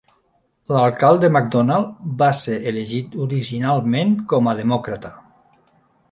L'alcalde Mcdonald va ser elegit originalment com a demòcrata.